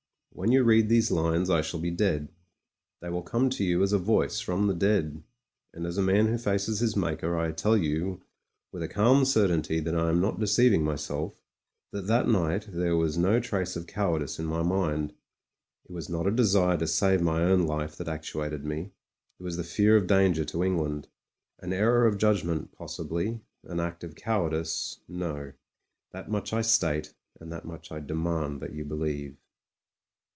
When you read these lines, I shall be dead ; they will come to you as a voice from the dead. And, as a man who faces his Maker, I tell you, with a calm certainty that I am not deceiv ing myself, that that night there was no trace of cow ardice in my mind It was not a desire to save my own life that actuated me ; it was the fear of danger to England. An error of judgment possibly; an act of cowardice — ^no. That much I state, and that much I demand that you believe.